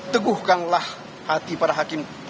teguhkanlah hati para hakim